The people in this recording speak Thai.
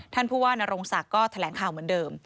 ท่านผู้ว่านรงศักดิ์ก็แถลงข่าวเหมือนเดิม